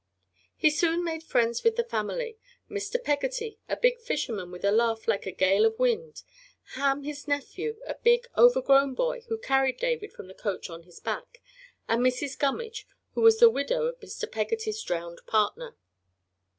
He soon made friends with the family Mr. Peggotty, a big fisherman with a laugh like a gale of wind; Ham, his nephew, a big, overgrown boy who carried David from the coach on his back, and Mrs. Gummidge, who was the widow of Mr. Peggotty's drowned partner.